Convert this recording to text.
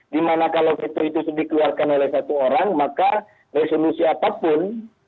di mana kalau vito itu dikeluarkan oleh satu orang maka resolusi apapun